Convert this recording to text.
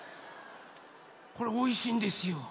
これおいしいんですよ。